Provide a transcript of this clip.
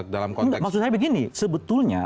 dalam maksud saya begini sebetulnya